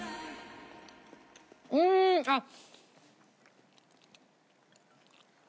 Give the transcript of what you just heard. うーんあっ。